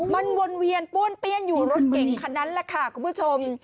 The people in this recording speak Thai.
มันวนเวียนป้วนเปี้ยนอยู่รถเก่งคันนั้นแหละค่ะคุณผู้ชม